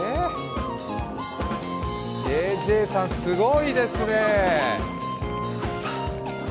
ＪＪさん、すごいですね。